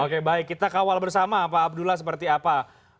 oke baik kita kawal bersama pak abdullah seperti apa